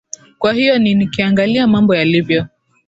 kwa hiyo ni nikiangalia mambo yalivyo